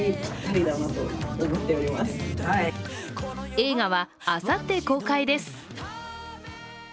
映画は、あさって公開です。